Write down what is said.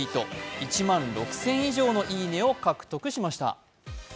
１万６０００以上の「いいね」を獲得しました。